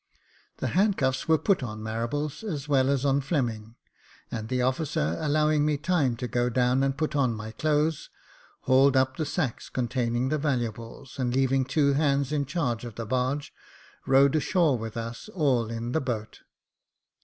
The handcuffs were put on Marables as well as on Fleming, and the officer, allowing me time to go down and put on my clothes, hauled up the sacks containing the valuables, and leaving two hands in charge of the barge, rowed ashore with us all in the boat.